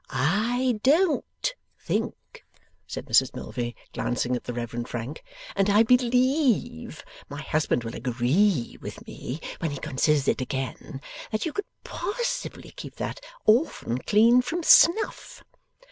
'I DON'T think,' said Mrs Milvey, glancing at the Reverend Frank, ' and I believe my husband will agree with me when he considers it again that you could possibly keep that orphan clean from snuff.